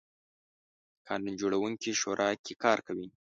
قانون جوړوونکې شورا کې کار کوي.